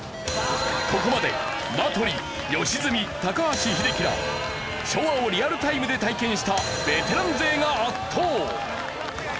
ここまで名取良純高橋英樹ら昭和をリアルタイムで体験したベテラン勢が圧倒！